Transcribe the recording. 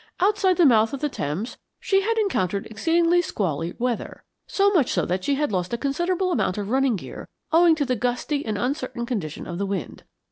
Outside the mouth of the Thames she had encountered exceedingly squally weather, so much so that she had lost a considerable amount of running gear owing to the gusty and uncertain condition of the wind.